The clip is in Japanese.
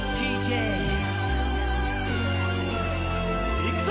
いくぞ！